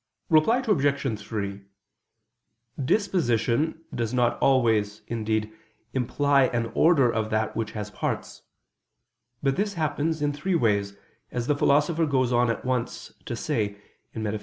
Reply Obj. 3: Disposition does always, indeed, imply an order of that which has parts: but this happens in three ways, as the Philosopher goes on at once to says (Metaph.